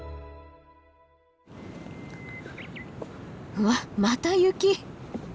うわっまた雪！